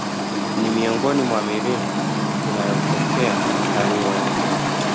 Ni miongoni mwa milima inayopokea watalii wengi